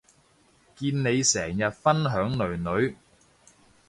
見你成日分享囡囡